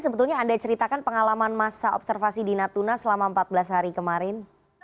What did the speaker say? sebetulnya anda ceritakan pengalaman masa observasi di natuna selama empat belas hari kemarin